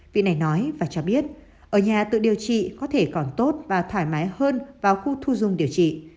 vị này nói và cho biết ở nhà tự điều trị có thể còn tốt và thoải mái hơn vào khu thu dung điều trị